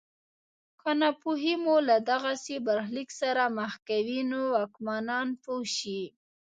که ناپوهي مو له دغسې برخلیک سره مخ کوي نو واکمنان پوه شي.